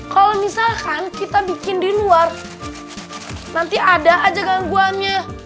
kalau misalkan kita bikin di luar nanti ada aja gangguannya